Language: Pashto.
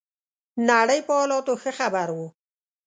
نړۍ په حالاتو ښه خبر وو.